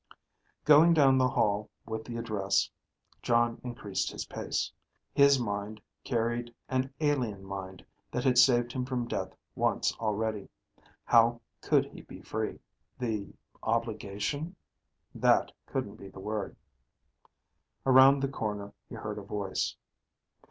Going down the hall, with the address, Jon increased his pace. His mind carried an alien mind that had saved him from death once already. How could he be free? The ... obligation? That couldn't be the word. Around the corner he heard a voice.